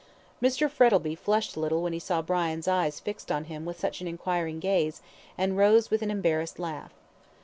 Mr Frettlby flushed a little when he saw Brian's eye fixed on him with such an enquiring gaze, and rose with an embarrassed laugh.